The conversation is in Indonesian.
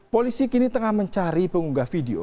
polisi kini tengah mencari pengunggah video